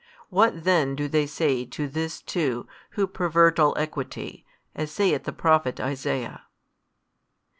What then do they say to this too who pervert all equity, as saith the Prophet Isaiah?